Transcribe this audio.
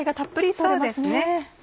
そうですね。